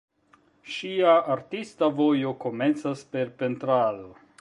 Ŝia artista vojo komencas per pentrado.